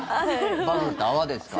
バブルって泡ですから。